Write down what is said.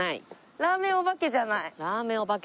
ラーメンお化けじゃない。